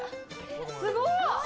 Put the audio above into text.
すごい！